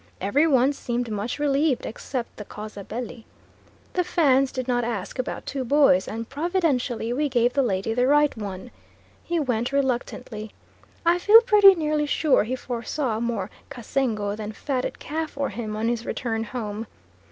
Every one seemed much relieved, except the causa belli. The Fans did not ask about two boys and providentially we gave the lady the right one. He went reluctantly. I feel pretty nearly sure he foresaw more kassengo than fatted calf for him on his return home.